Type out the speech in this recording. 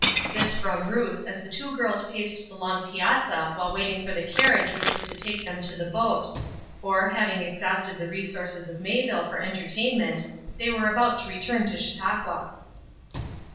This from Ruth as the two girls paced the long piazza while waiting for the carriage which was to take them to the boat; for, having exhausted the resources of Mayville for entertainment, they were about to return to Chautauqua.